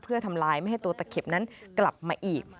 เพื่อทำลายไม่ให้ตัวตะเข็บนั้นกลับมาอีก